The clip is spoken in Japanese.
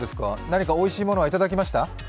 何かおいしいものはいただきました？